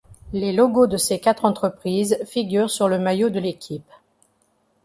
Les logos de ces quatre entreprises figurent sur le maillot de l'équipe.